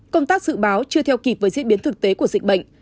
công tác dự báo chưa theo kịp với diễn biến thực tế của dịch bệnh